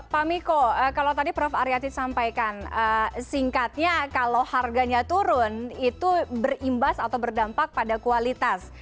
pak miko kalau tadi prof aryati sampaikan singkatnya kalau harganya turun itu berimbas atau berdampak pada kualitas